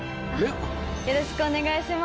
よろしくお願いします。